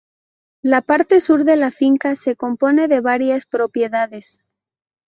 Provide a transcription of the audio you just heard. La parte sur de la finca se compone de varias propiedades.